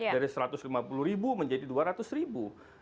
dari rp satu ratus lima puluh menjadi rp dua ratus